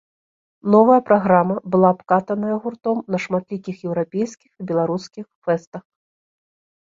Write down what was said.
Новая праграма была абкатаная гуртом на шматлікіх еўрапейскіх і беларускіх фэстах.